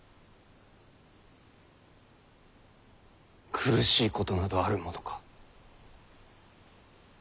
苦しいことなどあるものか。